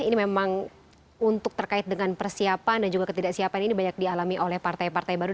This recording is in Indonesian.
ini memang untuk terkait dengan persiapan dan juga ketidaksiapan ini banyak dialami oleh partai partai baru